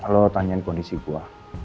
lo tanya kondisi gue